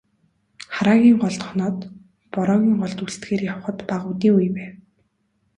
Хараагийн голд хоноод, Бороогийн голд үлдэхээр явахад бага үдийн үе байв.